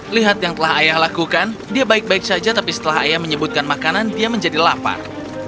lihat yang telah ayah lakukan dia baik baik saja tapi setelah ayah menyebutkan makanan dia menjadi lapar